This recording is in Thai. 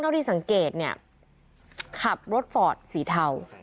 ที่สังเกตเนี่ยขับรถฟอร์ดสีเทา